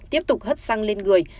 tiếp tục hất xăng lên người